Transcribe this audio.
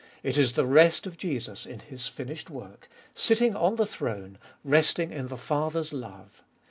It is the rest of Jesus In His finished work, sitting on the throne, resting in the Father's love.